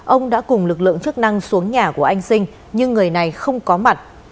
ông đã cùng lực lượng chức năng xuống nhà của anh sinh nhưng người này không có mặt